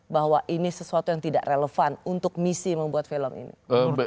bahwa ini sesuatu yang tidak relevan untuk misi membuat film ini